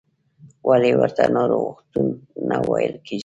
ولې ورته ناروغتون نه ویل کېږي؟